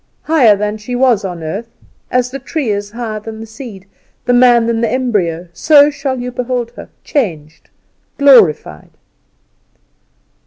Higher than she was on earth, as the tree is higher than the seed, the man than the embryo, so shall you behold her; changed, glorified!"